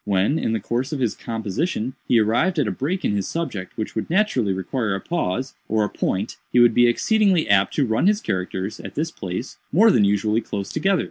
When, in the course of his composition, he arrived at a break in his subject which would naturally require a pause, or a point, he would be exceedingly apt to run his characters, at this place, more than usually close together.